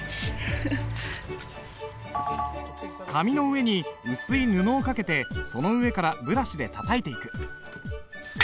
紙の上に薄い布をかけてその上からブラシでたたいていく。